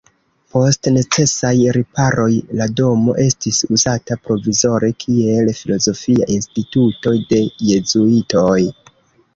Post necesaj riparoj la domo estis uzata provizore kiel filozofia instituto de jezuitoj.